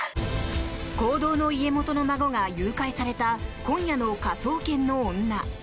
香道の家元の孫が誘拐された今夜の「科捜研の女」。